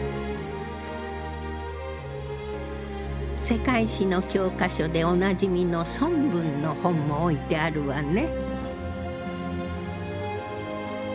世界史の教科書でおなじみの孫文の本も置いてあるわね。